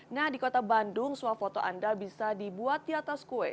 nah di kota bandung suah foto anda bisa dibuat di atas kue